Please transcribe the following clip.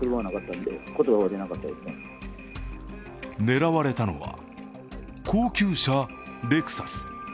狙われたのは高級車レクサス。